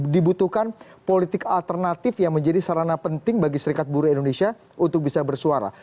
dibutuhkan politik alternatif yang menjadi sarana penting bagi serikat buruh indonesia untuk bisa bersuara